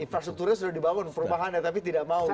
infrastrukturnya sudah dibangun perumahannya tapi tidak mau